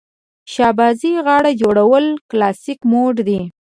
شهبازي غاړه جوړول کلاسیک موډ دی.